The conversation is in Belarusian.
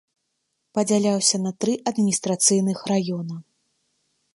Падзяляўся на тры адміністрацыйных раёна.